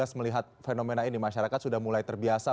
saat gas melihat fenomena ini masyarakat sudah mulai terbiasa